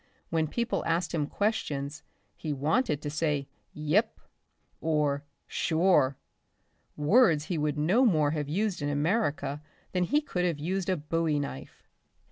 When people asked him questions he wanted to say "Yep" or "Sure," words he would no more have used in America than he could have used a bowie knife.